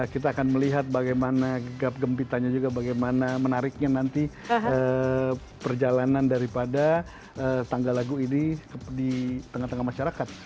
kita akan melihat bagaimana gap gempitannya juga bagaimana menariknya nanti perjalanan daripada tanggal lagu ini di tengah tengah masyarakat